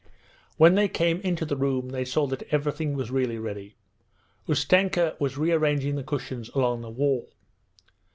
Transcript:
When they came into the room they saw that everything was really ready. Ustenka was rearranging the cushions along the wall.